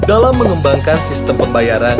dalam mengembangkan sistem pembayaran